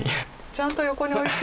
ちゃんと横に置いて。